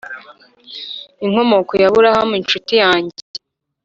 inkomoko ya Abrahamu, incuti yanjye,